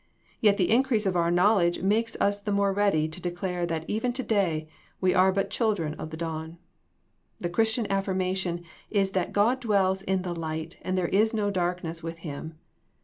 Yet the increase of our knowledge makes us the more ready to de clare that even to day we are but children of the dawn. The Christian affirmation is that God dwells in the light and there is no darkness with Him.